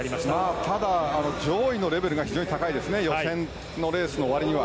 ただ、上位のレベルが非常に高くなりますからね予選のレースの割には。